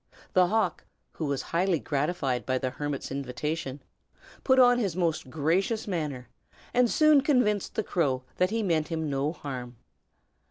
The hawk, who was highly gratified by the hermit's invitation, put on his most gracious manner, and soon convinced the crow that he meant him no harm.